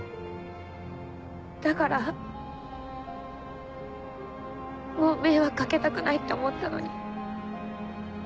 だからもう迷惑掛けたくないって思ったのに。